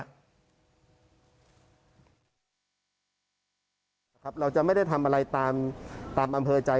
ครับเราจะไม่ได้ทำอะไรตามอำเภอใจ